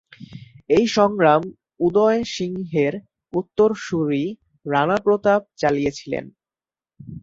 এই সংগ্রাম উদয় সিংহের উত্তরসূরি রানা প্রতাপ চালিয়েছিলেন।